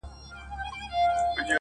o زمـا مــاسوم زړه.